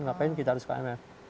ngapain kita harus ke mf